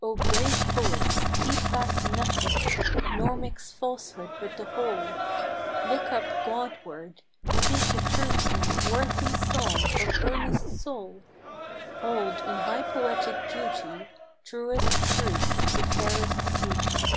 O brave poets, keep back nothing ; Nor mix falsehood with the whole ! Look up Godward! speak the truth in Worthy song from earnest soul ! Hold, in high poetic duty, Truest Truth the fairest Beauty!